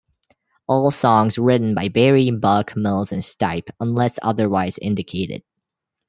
All songs written by Berry, Buck, Mills, and Stipe unless otherwise indicated.